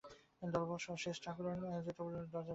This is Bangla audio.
দলবলসহ সেজ-ঠাকরুন দরজার বাহির হইয়া গেলেন।